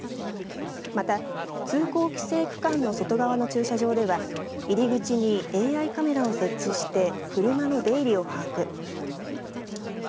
また通行規制区間の外側の駐車場では入り口にＡＩカメラを設置して車の出入りを把握。